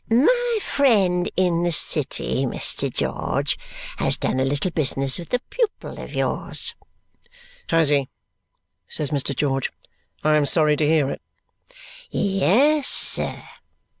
"My friend in the city, Mr. George, has done a little business with a pupil of yours." "Has he?" says Mr. George. "I am sorry to hear it." "Yes, sir."